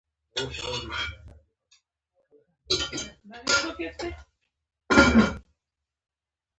تر څو ګټه اخیستونکي په استعمال کې زیانمن نه شي.